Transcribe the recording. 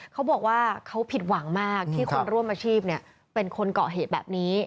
เขาบอกว่าเขาผิดหวังมากที่คนร่วมอาชีพเป็นคนเกาะเหตุแบบนี้